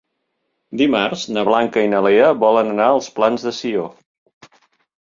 Dimarts na Blanca i na Lea volen anar als Plans de Sió.